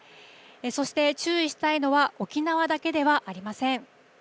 そして、注意したいのは沖縄だけではありません。